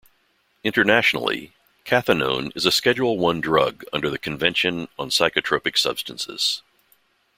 Internationally, cathinone is a Schedule I drug under the Convention on Psychotropic Substances.